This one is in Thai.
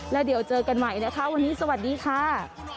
แล้วเดี๋ยวเจอกันใหม่นะคะวันนี้สวัสดีค่ะ